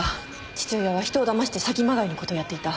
父親は人をだまして詐欺まがいのことをやっていた。